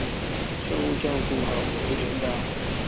蘇州過後冇艇搭